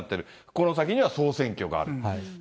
この先には総選挙が。